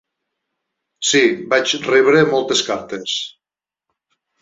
Sí, vaig rebre moltes cartes.